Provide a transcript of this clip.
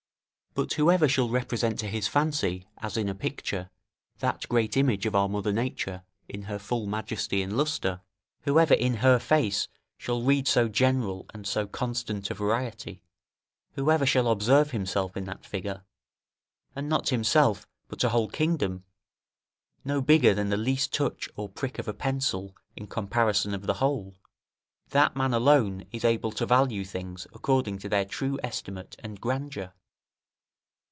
But whoever shall represent to his fancy, as in a picture, that great image of our mother nature, in her full majesty and lustre, whoever in her face shall read so general and so constant a variety, whoever shall observe himself in that figure, and not himself but a whole kingdom, no bigger than the least touch or prick of a pencil in comparison of the whole, that man alone is able to value things according to their true estimate and grandeur.